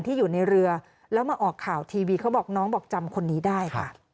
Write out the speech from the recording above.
อยู่ในเรือแล้วมาออกข่าวทีวีเขาบอกน้องบอกจำคนนี้ได้ค่ะ